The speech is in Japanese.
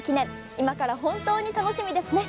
今から本当に楽しみですね。